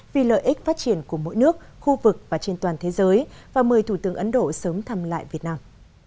vì lợi ích phát triển của mỗi nước khu vực và trên toàn thế giới và mời thủ tướng ấn độ sớm thăm lại việt nam